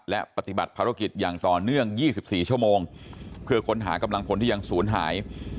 และปฏิบัติภารกิจอย่างต่อเนื่อง๒๔ชั่วโมงเพื่อค้นหากำลังพลที่ยังศูนย์หาย